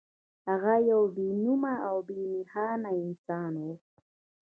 هغه يو بې نومه او بې نښانه انسان و.